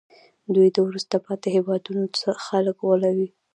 دوی د وروسته پاتې هېوادونو خلک غولوي